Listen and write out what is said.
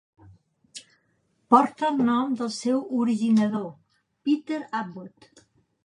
Porta el nom del seu originador, Peter Abbott.